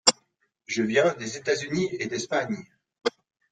Je viens des États-Unis et d’Espagne.